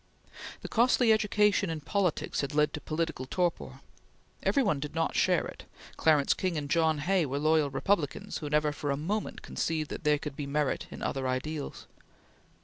The costly education in politics had led to political torpor. Every one did not share it. Clarence King and John Hay were loyal Republicans who never for a moment conceived that there could be merit in other ideals.